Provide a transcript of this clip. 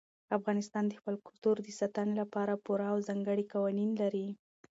افغانستان د خپل کلتور د ساتنې لپاره پوره او ځانګړي قوانین لري.